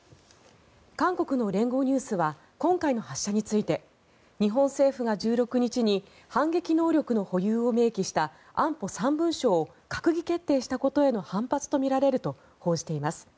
韓国の連合ニュースは今回の発射について日本政府が１６日に反撃能力の保有を明記した安保３文書を閣議決定したことへの反発とみられると報じています。